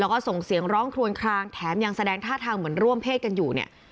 แล้วก็ส่งเสียงร้องคลวนคลางแถมยังแสดงท่าทางเหมือนร่วมเพศกันอยู่เนี่ย